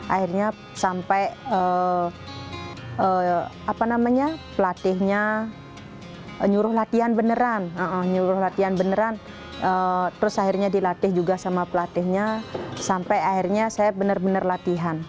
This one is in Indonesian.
akhirnya sampai pelatihnya nyuruh latihan beneran nyuruh latihan beneran terus akhirnya dilatih juga sama pelatihnya sampai akhirnya saya benar benar latihan